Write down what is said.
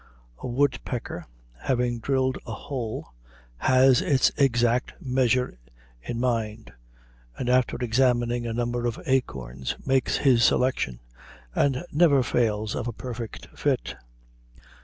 A woodpecker, having drilled a hole, has its exact measure in mind, and after examining a number of acorns makes his selection, and never fails of a perfect fit.